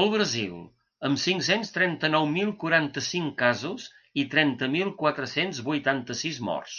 El Brasil, amb cinc-cents trenta-nou mil quaranta-cinc casos i trenta mil quatre-cents vuitanta-sis morts.